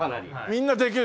みんなできる。